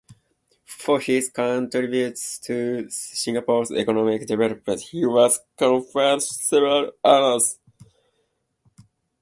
For his contributions to Singapore's economic development, he was conferred several honours.